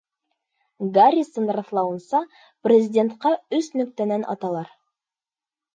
Гаррисон раҫлауынса, президентҡа өс нөктәнән аталар.